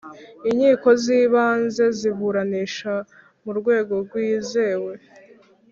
Inkiko z Ibanze ziburanisha mu rwego rwizewe